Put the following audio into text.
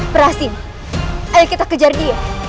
berhasil ayo kita kejar dia